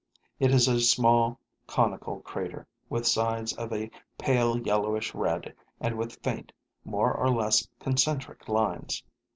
It is a small conical crater, with sides of a pale yellowish red and with faint, more or less concentric lines.